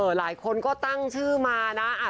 หลายคนก็ตั้งชื่อมานะ